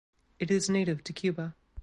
It is native to Cuba.